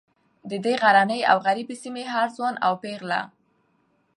د دې غرنۍ او غریبې سیمې هر ځوان او پیغله